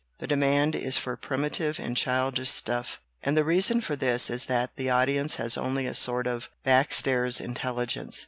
The demand is for primitive and childish stuff, and the reason for this is that the audience has only a sort of back stairs intelligence.